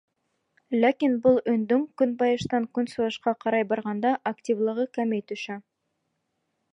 Ләкин был өндөң көнбайыштан көнсығышҡа ҡарай барғанда активлығы кәмей төшә.